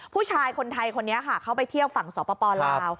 ผู้ชายคนไทยคนนี้ค่ะเขาไปเที่ยวฝั่งสปลาว